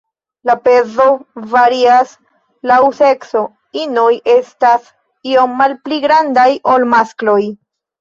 La pezo varias laŭ sekso, inoj estas iom malpli grandaj ol maskloj.